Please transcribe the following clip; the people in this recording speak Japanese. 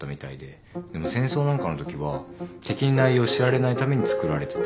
でも戦争なんかのときは敵に内容を知られないために作られてた。